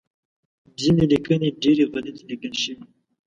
ځینې لیکنې ډیری غلطې لیکل شوی